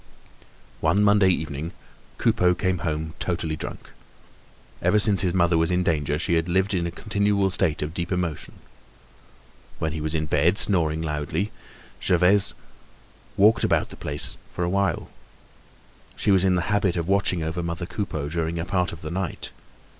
One Monday evening, Coupeau came home totally drunk. Ever since his mother was in danger, he had lived in a continual state of deep emotion. When he was in bed, snoring soundly, Gervaise walked about the place for a while. She was in the habit of watching over mother Coupeau during a part of the night.